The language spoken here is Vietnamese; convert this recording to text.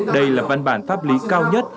đây là văn bản pháp lý cao nhất